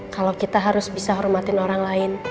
kalau kita harus bisa hormatin orang lain